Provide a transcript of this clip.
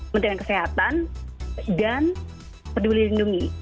menteri kesehatan dan peduli lindungi